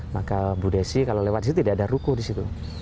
maka bu desi kalau lewat situ tidak ada ruko disitu